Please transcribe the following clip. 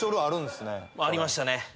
ありましたね。